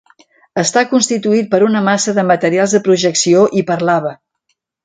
Està constituït per una massa de materials de projecció i per lava.